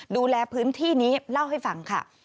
ดูแลพื้นที่นี้เล่าให้ฟังค่ะ